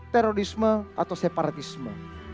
terorisme atau separatisme